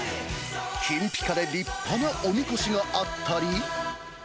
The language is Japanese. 金ぴかで立派なおみこしがあったり。